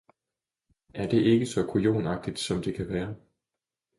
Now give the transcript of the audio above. Er det ikke så kujonagtigt, som det kan være?